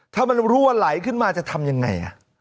ถ้ามันรั่วไหลขึ้นมาจะทำยังไง